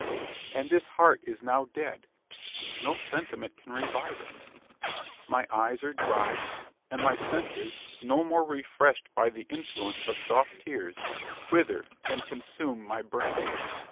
And this heart is now dead, no sentiment can revive it; my eyes are dry; and my senses, no more refreshed by the influence of soft tears, wither and consume my brain.